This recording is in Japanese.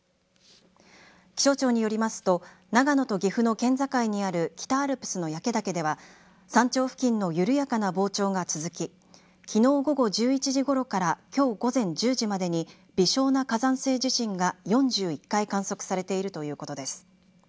気象庁によりますと長野と岐阜の県境にある北アルプスの焼岳では山頂付近の緩やかな膨張が続ききのう午後１１時ごろからきょう午前１０時までに微小な火山性地震が４１回観測されているということです。